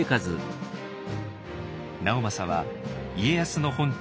直政は家康の本拠